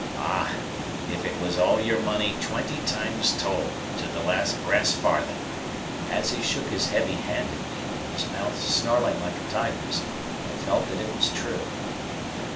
Ah! If it was all your money twenty times told, to the last brass farden!" As he shook his heavy hand at me, with his mouth snarling like a tiger's, I felt that it was true.